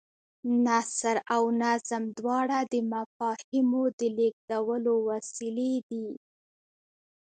نثر او نظم دواړه د مفاهیمو د لېږدولو وسیلې دي.